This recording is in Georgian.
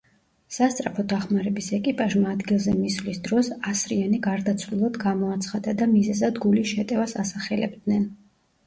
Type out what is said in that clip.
სასწრაფო დახმარების ეკიპაჟმა ადგილზე მისვლის დროს ასრიანი გარდაცვლილად გამოაცხადა და მიზეზად გულის შეტევას ასახელებდნენ.